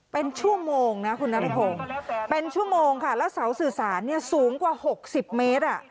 เป็นชั่วโมงนะคุณนัทพงศ์เป็นชั่วโมงค่ะแล้วเสาสื่อสารเนี่ยสูงกว่า๖๐เมตร